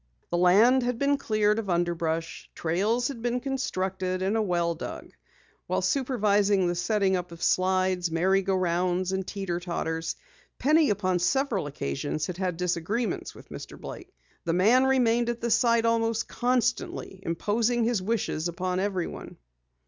The land had been cleared of underbrush, trails had been constructed, and a well dug. While supervising the setting up of slides, merry go rounds and teeter totters, Penny upon several occasions had had disagreements with Mr. Blake. The man remained at the site almost constantly, imposing his wishes upon everyone.